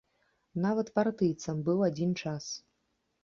Нават партыйцам быў адзін час.